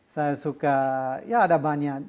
saya suka ya ada banyak